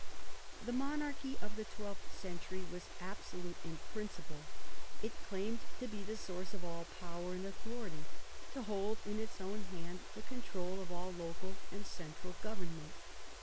The monarchy of the twelfth century was absolute in principle. It claimed to be the source of all power and authority, to hold in its own hand the control of all local and central government.